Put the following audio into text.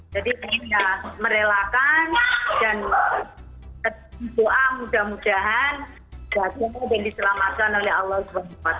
jadi ini ya merelakan dan berdoa mudah mudahan dan diselamatkan oleh allah swt